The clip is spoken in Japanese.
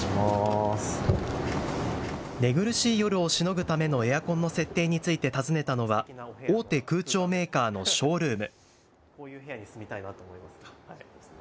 寝苦しい夜をしのぐためのエアコンの設定についてたずねたのは大手空調メーカーのショールーム。